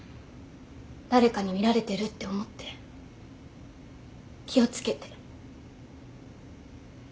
誰かに見られてるって思って気を付けて。